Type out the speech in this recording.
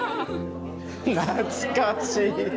懐かしい！